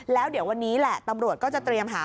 แล้วเดี๋ยววันนี้แหละตำรวจก็จะเตรียมหา